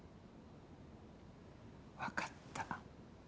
わかった。